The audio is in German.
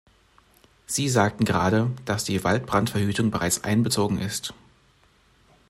Sie sagten gerade, dass die Waldbrandverhütung bereits einbezogen ist.